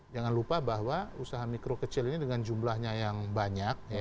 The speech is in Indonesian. jangan lupa bahwa usaha mikro kecil ini dengan jumlahnya yang banyak